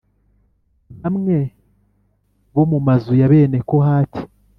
bamwe bo mu mazu ya bene Kohati